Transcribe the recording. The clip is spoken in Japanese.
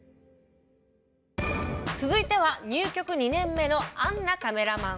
続いては入局２年目のアンナカメラマン。